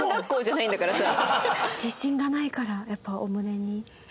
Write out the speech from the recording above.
自信がないからやっぱお胸に。